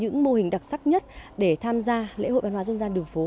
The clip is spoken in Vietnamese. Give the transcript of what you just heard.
những mô hình đặc sắc nhất để tham gia lễ hội văn hóa dân gian đường phố